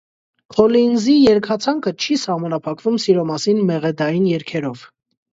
Քոլինզի երգացանկը չի սահմանափակվում սիրո մասին մեղեդային երգերով։